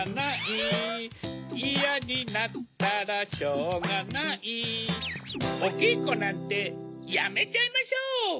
イヤになったらショウガナイおけいこなんてやめちゃいましょう！